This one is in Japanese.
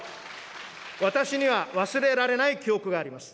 私には忘れられない記憶があります。